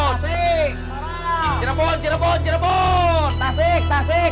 tasik tasik tasik